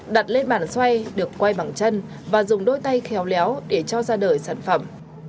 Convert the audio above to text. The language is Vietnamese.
đặt lên bàn xoay được quay bằng chân và dùng đôi tay khéo léo để cho ra đời sản phẩm